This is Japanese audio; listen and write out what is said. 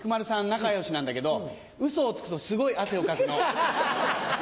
仲良しなんだけどウソをつくとすごい汗をかくの。ハハハ！